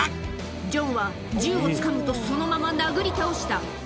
ジョンは銃をつかむと、そのまま殴り倒した。